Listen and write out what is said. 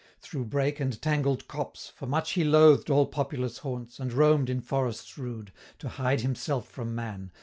"Through brake and tangled copse, for much he loathed All populous haunts, and roam'd in forests rude, To hide himself from man.